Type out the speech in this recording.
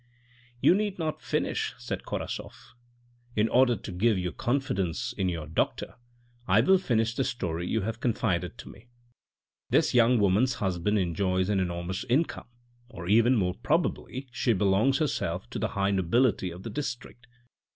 Ji You need not finish," said Korasoff. " In order to give you confidence in your doctor, I will finish the story you have confided to me. This young woman's husband enjoys an enormous income, or even more probably, she belongs herself to the high nobility of the district.